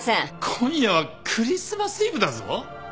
今夜はクリスマスイブだぞ？